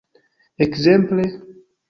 Ekzemple?